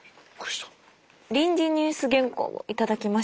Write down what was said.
臨時ニュース原稿を頂きました。